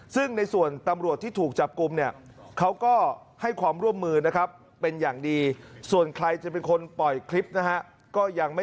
ซึ่งในส่วนตำรวจที่ถูกจับกลุ่ม